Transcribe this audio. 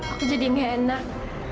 aku jadi gak enak